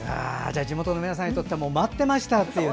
地元の皆さんにとっては待ってましたという。